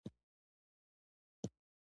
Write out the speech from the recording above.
نو تاسو باید د لوړو بیو تمه ولرئ